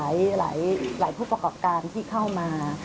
มีได้คุยกับหลายผู้ประกอบการณ์ที่เข้ามา